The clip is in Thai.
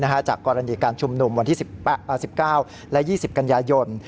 จากกรณีการชุมนุมวันที่๑๙และ๒๐กันยายน